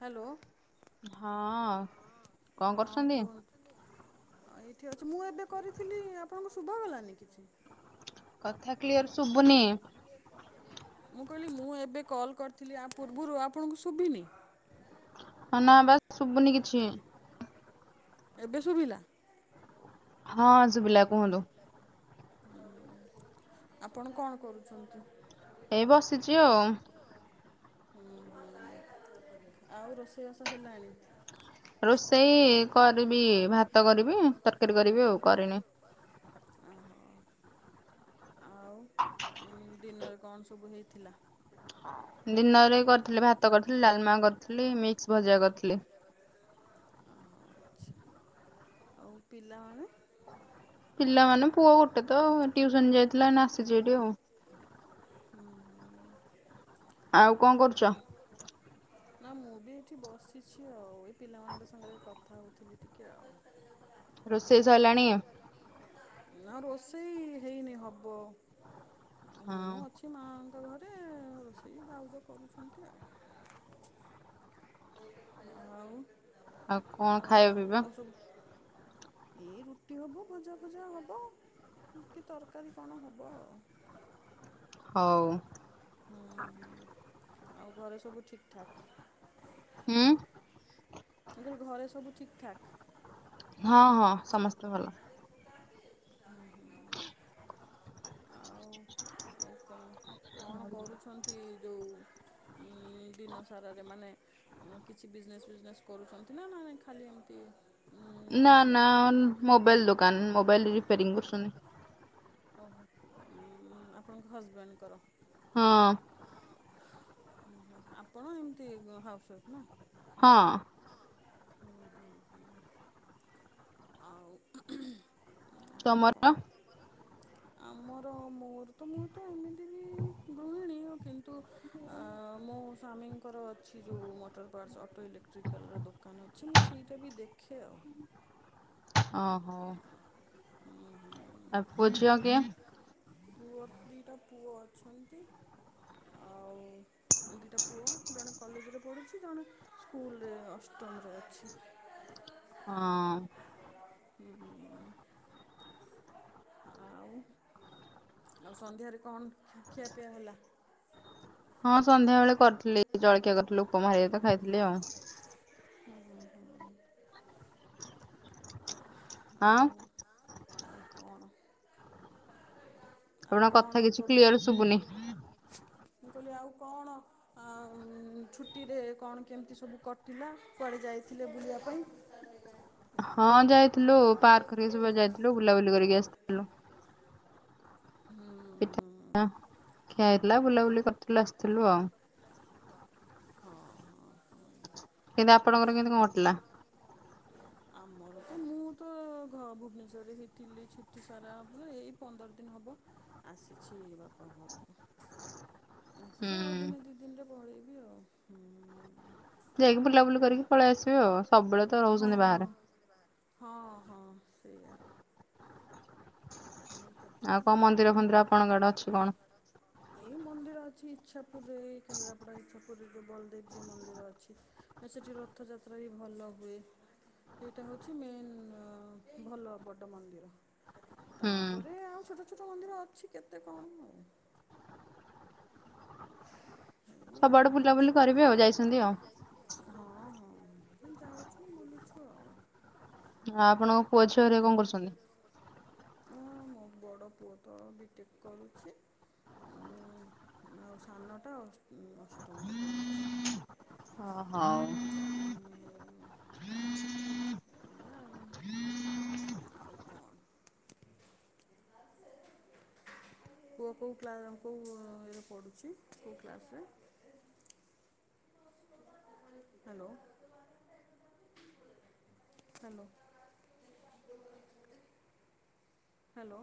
Hello ହଁ କଣ ହଁ କରୁଛନ୍ତି? କୁହନ୍ତୁ ଏଇଠି ଅଛି ମୁଁ ଏବେ କରିଥିଲି ଆପଣଙ୍କ ଶୁଭ ହେଲାନି କିଛି କଥା କ୍ଲିୟର ଶୁଭୁନି ମୁଁ କହିଲି ମୁଁ ଏବେ କଲ୍ କରିଥିଲି ଆ ପୂର୍ବରୁ ଆପଣଙ୍କୁ ଶୁଭିନି ହଁ ନା ବାସ୍ ଶୁଭୁନି କିଛି ଏବେ ଶୁଭିଲା ହଁ ଶୁଭିଲା କୁହନ୍ତୁ ଆପଣ କଣ କରୁଛନ୍ତି ଏଇ ବସିଛି ଆଉ ହଁ ହ ଆଉ ରୋଷେଇବାସ ହେଲାଣି ରୋଷେଇ କରିବି ଭାତ କରିବି ତରକାରୀ କରିବି ଆଉ କରିନି ଓହୋ ହ ଦିନରେ କଣ ସବୁ ହେଇଥିଲା ଦିନରେ କରିଥିଲି ଭାତ କରିଥିଲି ଡାଲମା କରିଥିଲି ମିକ୍ସ ଭଜା କରିଥିଲି ଓହୋ ଆଚ୍ଛା ଆଉ ପିଲାମାନେ ପିଲାମାନୋନେ ପୁଅ ଗୋଟେ ତ ଟିୁସନ ଯାଇଥିଲା ଆସିଛି ଏଠି ଆଉ ହୁଁ ହୁଁ ଆଉ କଣ କରୁଛ ନା ମୁଁ ବି ଏଠି ବସିଛି ଆଉ ଏ ପିଲାମାନଙ୍କ ସାଙ୍ଗରେ କଥା ହଉଥିଲି ଟିକେ ଆଉ ରୋଷେଇ ସ ହେଲାାଣି ଆ ରୋଷେଇ ହେଇନି ହବ ଆଉ ହଁ ମୁଁ ସେ ମାଆଙ୍କ ଘରେ ରୋଷେଇ ବାଉଜ କରୁଛନ୍ତି ଆଉ ଆଉ ଆଉ କଣ କଣ ଆଉ ଖାଇବା ସବୁ [unintelligible] ଏଇ ରୁଟି ହେବ ଭଜା ଭୁଜା ହେବ କି ତରକାରୀ କଣ ହେବ ଆଉ ହଉ ହୁଁ ହୁଁ ଆଉ ଘରେ ସବୁ ଠିକ ଠାକ୍ ହୁଁ ତର ଘରେ ସବୁ ଠିକ୍ଠକ୍ ହଁ ହଁ ସମସ୍ତେ ଭଲ ଓ ହୋ ଆଉ କଣ କରୁଛନ୍ତି ଯେଉଁ ଦିନ ସାରାରେ ମାନେ କିଛି ବିଜନେସ୍ ଫଜନେସ୍ କରୁଛନ୍ତି ନା ନ ଖାଲି ଏମିତି ନା ହାଉସ୍ ନା ୱାଇଫ୍। ମୋବାଇଲ ଦୋକାନ ମୋବାଇଲ ରିପୋରିଂ କରୁସୁନି ଓହୋ! ଉଁ ଆପଣଙ୍କ ହଜବେଣ୍ଡଙ୍କର। ହଁ। ଓହୋ! ଆପଣ ଏମିତି ହାଉସ୍ୱାଇଫ୍ ନା। ହଁ। ହୁଁ ହୁଁ ହୁଁ, ଆଉ ଆଉ କଣ ତମର? ଆମର ମୋର ତ ମୁଁ ତ ଏମିତି ବି ଗୃହିଣୀ, କିନ୍ତୁ ତୁ ମୋ ସ୍ୱାମୀଙ୍କର ଅଛି ଯେଉଁ ମୋଟର ପାର୍ଟସ୍ ଅଟୋ ଇଲେକ୍ଟ୍ରି ଇଲେକ୍ଟ୍ରିକାଲର ଦୋକାନ ଅଛି ମୁଁ ସେଇଟା ବି ଦେଖେ ଆଉ। ଓହୋ। ହୁଁ ହୁଁ ଆଉ ପୁଅ ଛୁଆ କିଏ? ପୁଅ ଦିଟା ପୁଅ ଅଛନ୍ତି। ଆଉ [inaudible] ଦୁଇଟା ପୁଅ ଜଣେ କଲେଜରେ ପଢ଼ୁଛି, ଜଣେ ସ୍କୁଲରେ ଅଷ୍ଟମରେ ଅଛି। ହଁ ଅଁ ହୁଁ ହୁଁ। ଆଉ ଆଉ ସନ୍ଧ୍ୟାରେ କଣ ଖିଆପିଆ ହେଲା? ହଁ ସନ୍ଧ୍ୟା ବେଳେ କରିଥିଲି ଜଳଖିଆ କରିଥିଲି ଉପମା ହେରିକା ତ ଖାଇଥିଲେ ଆଉ। ହୁଁ ଉଁ। ହଁ ଆଉ ଆଉ କଣ? ଆଉ ଆପଣଙ୍କ କଥା କଣ କିଛି କ୍ଲିୟର [unintelligible] ମୁଁ ଶୁଭୁନି। କହିଲି ଆଉ କଣ? ଆଉ ଛୁଟିରେ କଣ କେମିତି ସବୁ କଟିଲା କୁଆଡ଼େ ଯାଇଥିଲେ ବୁଲିବା ପାଇଁ? ହଁ ଯାଇଥିଲୁ, ପାର୍କ ଘରିକା ସବୁ ଯାଇଥିଲୁ ବୁଲାବୁଲି କରିକି ଆସିଲୁ। ହୁଁ ଉଁ ହ ଖିଆ ହେଇଥିଲା ବୁଲାବୁଲି କରିଥିଲୁ ଆସିଥିଲୁ ଆଉ। ହଁ ହଁ ହଁ। କି ଆପଣଙ୍କର [unintelligible] ହ [inaudible] ଆମର ତ ମୁଁ ତ ଘ ଭୁବନେଶ୍ୱରରେ ଥିଲି ଛୁଟି ସାରା ପରେ ଏଇ ପନ୍ଦର ଦିନ ହବ ଆସିଛି ବାପା ଘରକୁ। ହୁଁ ଆସିଛି ଆଉ ଦିନେ ଦିଦିନି ରେ ପଳେଇବି ଆଉ, ହୁଁ ଯାଇକି ବୁଲାବୁଲି କରିକି ପଳେଇ ଆସିବ ଆଉ, ସବୁବେଳେ ତ ହଁ ରହୁଛନ୍ତି ହଁ ବାହାରେ। ହଁ ହଁ ସେଇଆ। ଏ କଥା ଆଉ କଣ ମନ୍ଦିର ଫନ୍ଦିର ଆପଣଙ୍କ ଆଡେ ଅଛି କଣ? ଏଇ ମନ୍ଦିର ଅଛି ଇଛା ପୁରରେ ଏଇ କେନ୍ଦ୍ରାପଡା ଇଛା ପୁରୀରେ ଯେଉଁ ବଲଦେବଜୀଉ ମନ୍ଦିର ଅଛି, ସେଠି ରଥଯାତ୍ରା ବି ଭଲ ହୁଏ। ସେଇଟା ହେଉଛି ମେନ୍ ଭଲ ବଡ଼ ମନ୍ଦିର। ହୁଁ ତାପରେ ଆଉ ଛୋଟ ଛୋଟ ମନ୍ଦିର ଅଛି କେତେ କଣ ଆଉ। ଏଇ ଆଉ। ସବୁଆଡେ ବୁଲାବୁଲି କରିବି ଆଉ ଯାଇଛନ୍ତି ଆଉ। ହଁ ହଁ ତୁ ଯାଉଛୁ ବୁଲୁଛୁ ଆଉ। ଆପଣ ହଁ ମୋ ବଡ଼ ପୁଅ ତ ବିଟେକ୍ କରୁଛି। ଉ ଆଉ ସାନଟା ଉ ଅଷ୍ଟମରେ ପଢୁଛି। ଓ ହଉ। ଏଇଆ ଆଉ ଆଉ କଣ? ପୁଅ କୋଉ କ୍ଲା କୋଉ ଇଏରେ ପଢ଼ୁଛି କୋଉ କ୍ଲାସରେ? ହାଲୋ। Hello hello.